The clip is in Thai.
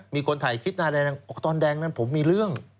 มีคนถ่ายคลิปหน้าแดงตอนแดงนั้นผมมีเรื่อง